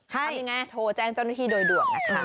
ทำยังไงโทรแจ้งเจ้าหน้าที่โดยด่วนนะคะ